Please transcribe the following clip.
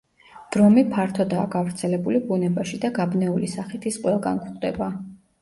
ბრომი ფართოდაა გავრცელებული ბუნებაში და გაბნეული სახით ის ყველგან გვხვდება.